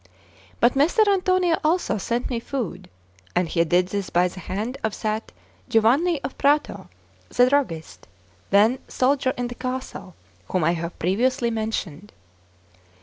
But Messer Antonio also sent me food; and he did this by the hand of that Giovanni of Prato, the druggist, then soldier in the castle, whom I have previously mentioned.